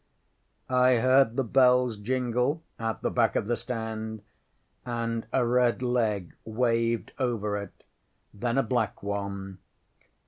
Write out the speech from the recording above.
ŌĆØ ŌĆśI heard the bells jingle at the back of the stand, and a red leg waved over it; then a black one.